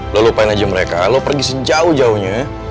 lo lupain aja mereka lo pergi sejauh jauhnya